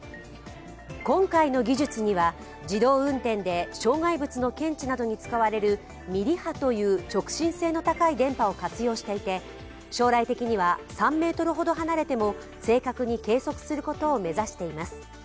今回の技術には、自動運転で障害物の検知などに使われるミリ波という直進性の高い電波を活用していて将来的には３ｍほど離れても正確に計測することを目指しています。